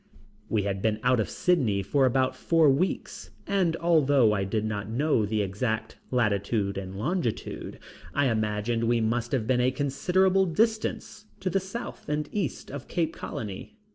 We had been out of Sydney about four weeks, and although I did not know the exact latitude and longitude, I imagined we must have been a considerable distance to the south and east of Cape Colony.